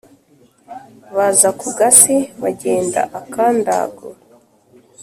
Baza ku Gasi, bagenda aka Ndago,